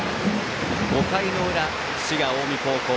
５回の裏、滋賀・近江高校